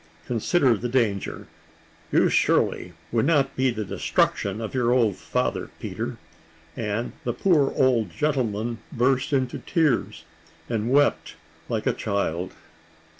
Consider the danger. You surely would not be the destruction of your father, Peter;" and the poor old gentleman burst into tears, and wept like a child.